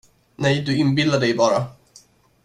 Nej, du inbillar dig bara.